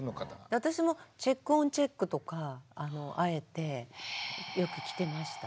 私もチェック・オン・チェックとかあえてよく着てました。